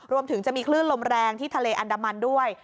รวมถึงจะมีคลื่นลมแรงที่ทะเลอันดามันด้วย